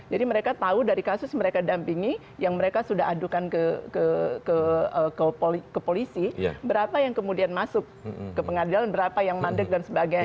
jadi mereka tahu dari kasus mereka dampingi yang mereka sudah adukan ke polisi berapa yang kemudian masuk ke pengadilan berapa yang mandek dan sebagainya